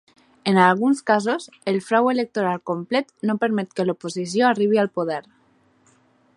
En alguns casos, el frau electoral complet no permet que l'oposició arribi al poder.